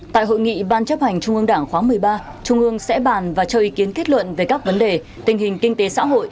tại hội nghị ban chấp hành trung ương đảng khóa một mươi ba trung ương sẽ bàn và cho ý kiến kết luận về các vấn đề tình hình kinh tế xã hội